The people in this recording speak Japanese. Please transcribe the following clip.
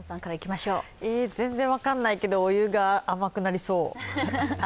全然分かんないけど、お湯が甘くなりそう？